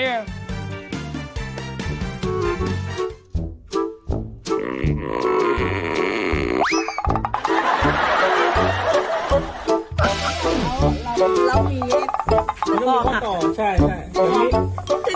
แล้วแล้วแล้วมี